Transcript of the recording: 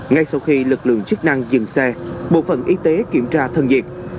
ngay sau khi lực lượng chức năng dừng xe bộ phận y tế kiểm tra thân nhiệt